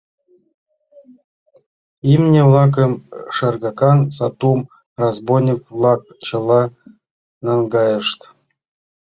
Имне-влакым, шергакан сатум разбойник-влак чыла наҥгайышт.